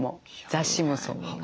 雑誌もそう。